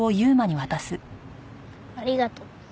ありがとう。